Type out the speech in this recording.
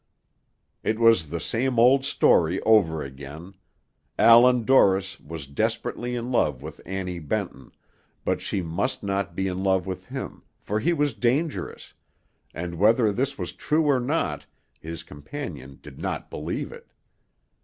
It was the same old story over again; Allan Dorris was desperately in love with Annie Benton, but she must not be in love with him, for he was dangerous, and whether this was true or not, his companion did not believe it.